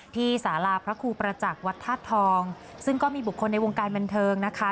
สาราพระครูประจักษ์วัดธาตุทองซึ่งก็มีบุคคลในวงการบันเทิงนะคะ